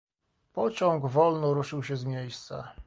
"Pociąg wolno ruszył się z miejsca."